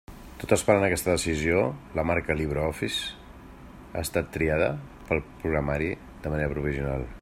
Tot esperant aquesta decisió, la marca “LibreOffice” ha estat triada per al programari de manera provisional.